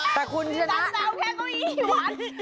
แต่คุณแจวแค่เก้าอี้วัด